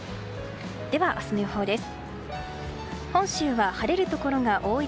では、明日の予報です。